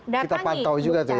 datangi duk capil